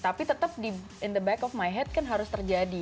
tapi tetap di in the back of my head kan harus terjadi